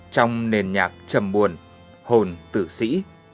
trong nền nhạc trầm buồn hồn tử sĩ